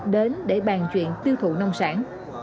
đến để bàn chuyện tiêu thụ nông sản